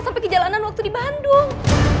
sampai ke jalanan waktu di bandung